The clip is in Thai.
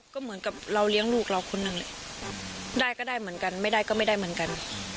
ก็เหมือนกับเราเลี้ยงลูกเราคนหนึ่งแหละได้ก็ได้เหมือนกันไม่ได้ก็ไม่ได้เหมือนกัน